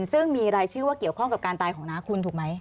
ซึ่งมีรายชื่อว่าเกี่ยวข้องกับการตายของน้าคุณถูกไหม